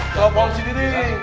kau panggil diri